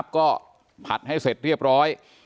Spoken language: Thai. ก็ผัดให้เสร็จเรียบร้อย